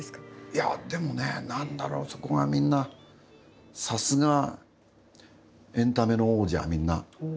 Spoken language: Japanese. いや、でもね、なんだろうそこがみんなさすがエンタメの王者、みんな。